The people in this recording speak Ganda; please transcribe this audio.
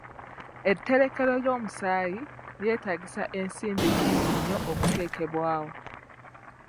Etterekero ly'omusaayi lyetaagisa ensimbi nnyingi nnyo okuteekebwawo.